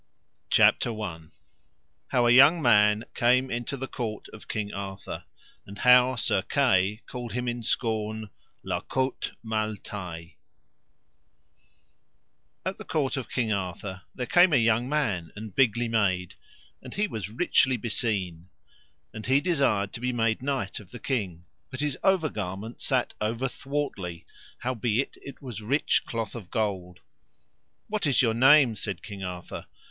CHAPTER I. How a young man came into the court of King Arthur, and how Sir Kay called him in scorn La Cote Male Taile. At the court of King Arthur there came a young man and bigly made, and he was richly beseen: and he desired to be made knight of the king, but his over garment sat over thwartly, howbeit it was rich cloth of gold. What is your name? said King Arthur.